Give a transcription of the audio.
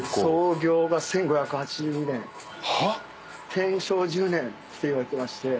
天正１０年っていわれてまして。